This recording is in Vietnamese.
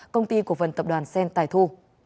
công ty của phần tập đoàn sen tài thu